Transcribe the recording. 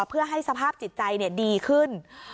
เพื่อให้สภาพจิตใจดีขึ้น